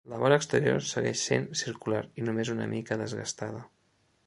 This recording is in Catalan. La vora exterior segueix sent circular i només una mica desgastada.